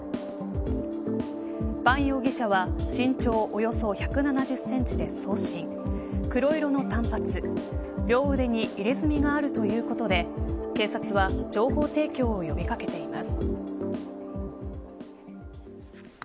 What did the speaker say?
バン容疑者は身長およそ１７０センチで痩身細見、黒色の短髪両腕に入れ墨があるということで警察は情報提供を呼び掛けています。